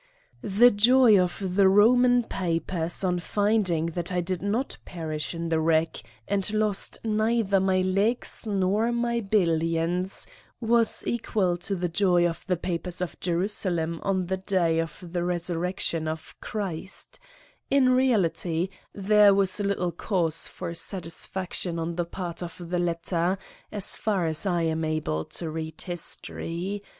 The joy of the Eoman papers on finding that I did not perish in the wreck and lost neither my legs nor my billions, was equal to the joy of the papers of Jerusalem on the day of the resurrec tion of Christ in reality there was little cause for satisfaction on the part of the latter, as far as I am able to read history.